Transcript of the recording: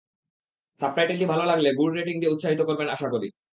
সাবটাইটেলটি ভালো লাগলে good rating দিয়ে উৎসাহিত করবেন আশাকরি।